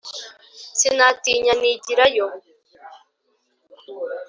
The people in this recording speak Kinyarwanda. sinatinya nigira yo